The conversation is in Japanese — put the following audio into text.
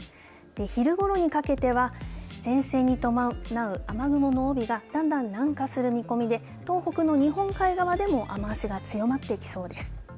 昼ごろにかけては前線に伴う雨雲の帯がだんだん南下する見込みで東北の日本海側でも雨足が強まってきそうです。